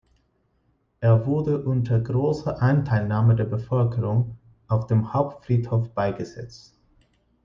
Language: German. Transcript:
Er wurde unter großer Anteilnahme der Bevölkerung auf dem Hauptfriedhof beigesetzt.